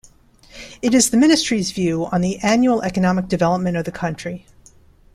It is the ministry's view on the annual economic development of the country.